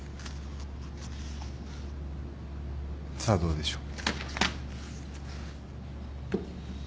さあどうでしょう。